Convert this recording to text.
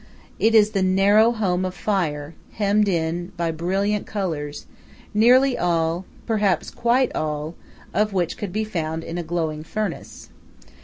It is the narrow home of fire, hemmed in by brilliant colors, nearly all perhaps quite all of which could be found in a glowing furnace.